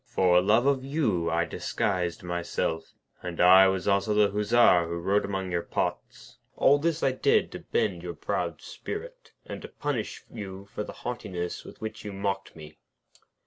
For love of you I disguised myself; and I was also the Hussar who rode among your pots. All this I did to bend your proud spirit, and to punish you for the haughtiness with which you mocked me.'